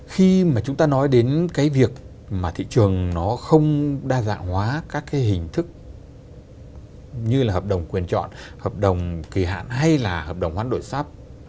khi mà chúng ta nói đến cái việc mà thị trường nó không đa dạng hóa các cái hình thức như là hợp đồng quyền chọn hợp đồng kỳ hạn hay là hợp đồng hoán đổi sắp